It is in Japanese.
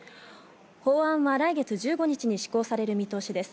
法案は来月１５日に施行される見通しです。